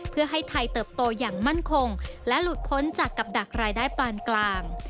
เพื่อให้ไทยเติบโตอย่างมั่นคงและหลุดพ้นจากกับดักรายได้ปานกลาง